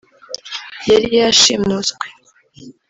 yari yashimuswe